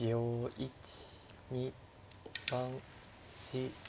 １２３４。